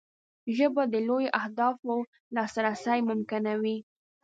ژبه د لویو اهدافو لاسرسی ممکنوي